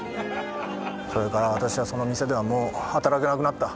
それから私はその店ではもう働けなくなった。